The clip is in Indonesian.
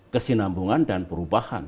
kesinambungan dan perubahan